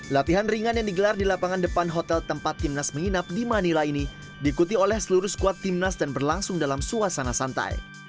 latihan ringan yang digelar di lapangan depan hotel tempat timnas menginap di manila ini diikuti oleh seluruh squad timnas dan berlangsung dalam suasana santai